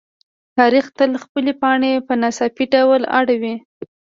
تاریخ تل خپلې پاڼې په ناڅاپي ډول اړوي.